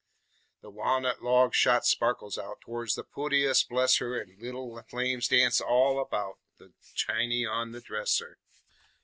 The wa'nut logs shot sparkles out Towards the pootiest, bless her, An' leetle flames danced all about The chiny on the dresser.